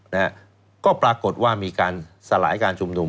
นะฮะก็ปรากฏว่ามีการสลายการชุมนุม